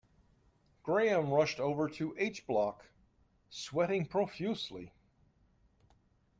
Graham rushed over to H block, sweating profusely.